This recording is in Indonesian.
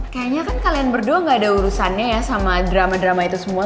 kayaknya kan kalian berdua gak ada urusannya ya sama drama drama itu semua